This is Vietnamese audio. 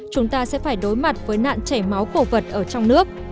chúng ta sẽ phải đối mặt với nạn chảy máu cổ vật ở trong nước